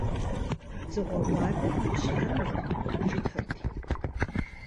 Дзыгъуэ гъуанэм ипщхьэнут, укӀытэрти.